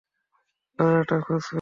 দরজাটার খোঁজ পেয়েছি!